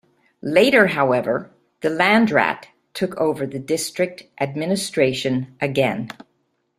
Later, however, the "Landrat" took over the district administration again.